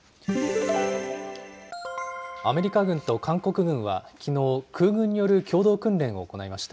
アメリカ軍と韓国軍は、きのう、空軍による共同訓練を行いました。